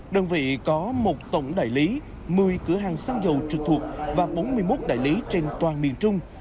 đơn vị có một tổng đại lý một mươi cửa hàng xăng dầu trực thuộc và bốn mươi một đại lý trên toàn miền trung